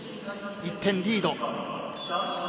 １点リード。